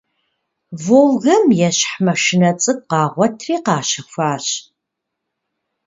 «Волгэм» ещхь маршынэ цӀыкӀу къагъуэтри къащэхуащ.